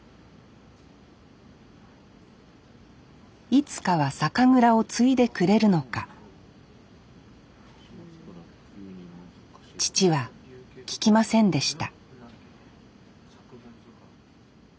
いつかは酒蔵を継いでくれるのか父は聞きませんでした